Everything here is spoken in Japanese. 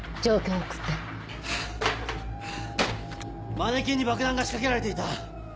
マネキンに爆弾が仕掛けられていた。